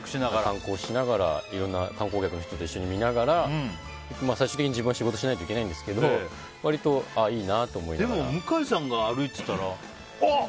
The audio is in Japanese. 観光しながら観光客の人と一緒に見ながら最終的に自分は仕事しないといけないんですけど向井さんが歩いてたらあっ！